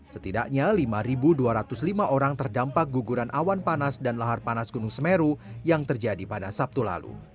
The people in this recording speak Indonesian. setidaknya lima dua ratus lima orang terdampak guguran awan panas dan lahar panas gunung semeru yang terjadi pada sabtu lalu